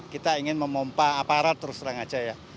kita ingin memompah aparat terus terang aja ya